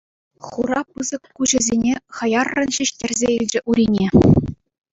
Хура пысӑк куҫӗсене хаяррӑн ҫиҫтерсе илчӗ Урине.